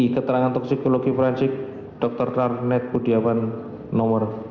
keterangan toksikologi forensik dr tarnet budiawan no tiga dua puluh